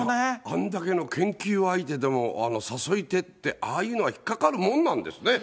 あんだけの研究相手でも、誘い手って、ああいうのが引っ掛かるもんなんですね。